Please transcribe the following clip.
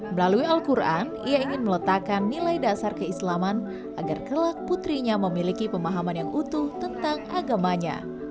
melalui al quran ia ingin meletakkan nilai dasar keislaman agar kelak putrinya memiliki pemahaman yang utuh tentang agamanya